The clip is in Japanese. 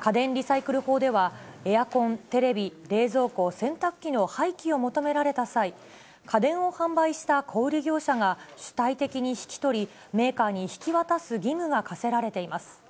家電リサイクル法では、エアコン、テレビ、冷蔵庫、洗濯機の廃棄を求められた際、家電を販売した小売り業者が主体的に引き取り、メーカーに引き渡す義務が課せられています。